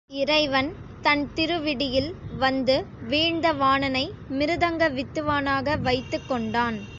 இறைவன் தன் திருவிடியில் வந்து வீழ்ந்த வாணனை மிருதங்க வித்து வானாக வைத்துக் கொண்டான்.